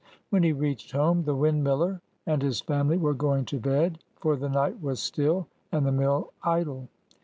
When he reached home, the windmiller and his family were going to bed, for the night was still, and the mill idle.